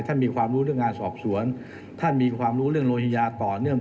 มีความรู้เรื่องงานสอบสวนท่านมีความรู้เรื่องโลหิงญาต่อเนื่อง